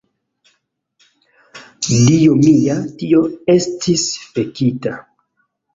... Dio mia, tio estis fekita!